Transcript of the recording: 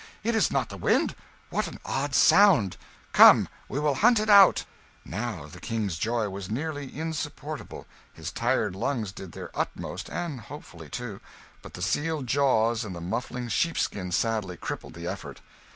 It is not the wind! What an odd sound! Come, we will hunt it out!" Now the King's joy was nearly insupportable. His tired lungs did their utmost and hopefully, too but the sealed jaws and the muffling sheepskin sadly crippled the effort.